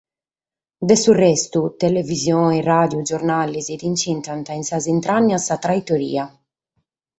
De su restu, televisione, ràdiu, giornales ti nch’intrant in sas intrànnias a traitoria.